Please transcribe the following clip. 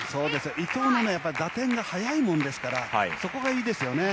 伊藤の打点が速いものですからそこがいいですよね。